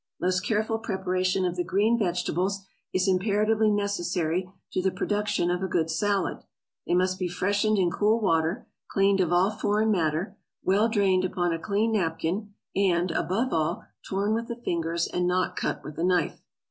Most careful preparation of the green vegetables is imperatively necessary to the production of a good salad; they must be freshened in cool water, cleaned of all foreign matter, well drained upon a clean napkin; and, above all, torn with the fingers, and not cut with a knife.